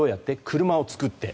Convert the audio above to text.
車を作って。